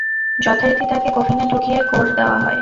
যথারীতি তাঁকে কফিনে ঢুকিয়ে গোর দেওয়া হয়।